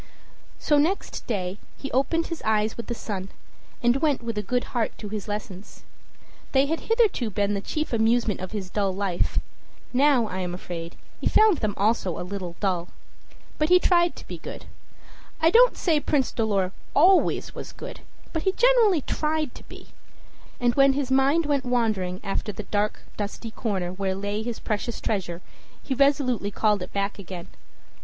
So next day he opened his eyes with the sun, and went with a good heart to his lessons. They had hitherto been the chief amusement of his dull life; now, I am afraid, he found them also a little dull. But he tried to be good, I don't say Prince Dolor always was good, but he generally tried to be, and when his mind went wandering after the dark, dusty corner where lay his precious treasure, he resolutely called it back again.